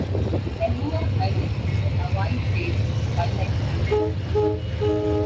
Lehua Island is a Hawaii State Wildlife Sanctuary.